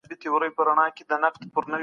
د اوبو نلونه خلاص مه پرېږدئ.